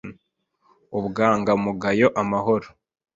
ubwangamugayo, amahoro,